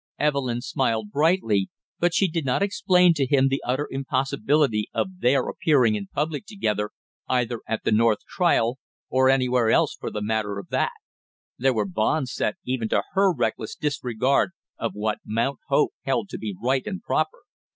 Evelyn smiled brightly, but she did not explain to him the utter impossibility of their appearing in public together either at the North trial or anywhere else for the matter of that; there were bounds set even to her reckless disregard of what Mount Hope held to be right and proper.